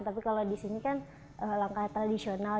tapi kalau di sini kan langkah tradisional